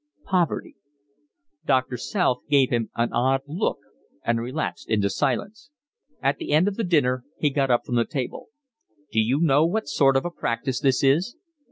"Poverty." Doctor South gave him an odd look and relapsed into silence. At the end of dinner he got up from the table. "D'you know what sort of a practice this is?"